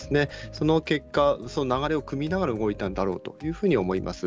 その結果、流れをくみながら動いたんだろうというふうに思います。